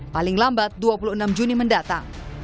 paling lambat dua puluh enam juni mendatang